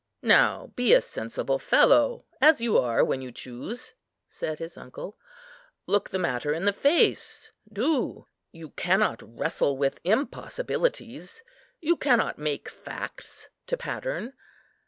"Now be a sensible fellow, as you are when you choose," said his uncle; "look the matter in the face, do. You cannot wrestle with impossibilities, you cannot make facts to pattern.